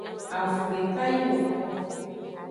Avun deka yi woko.